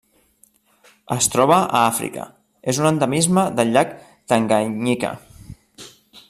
Es troba a Àfrica: és un endemisme del llac Tanganyika.